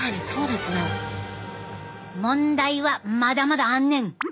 問題はまだまだあんねん！